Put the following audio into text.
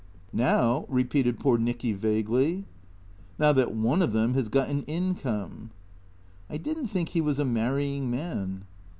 " Now ?" repeated poor Nicky vaguely. " Now that one of them has got an income." " I did n't think he was a marrying man."